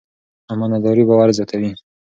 امانتداري باور زیاتوي.